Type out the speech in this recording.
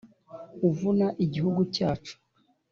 uvuna igihugu cyacu